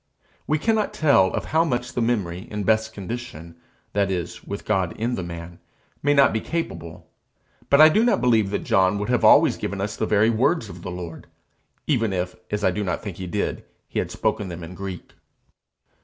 We cannot tell of how much the memory, in best condition that is, with God in the man may not be capable; but I do not believe that John would have always given us the very words of the Lord, even if, as I do not think he did, he had spoken them in Greek.